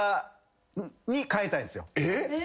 えっ！？